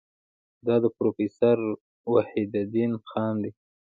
دا د پروفیسور وحیدالدین خان دی.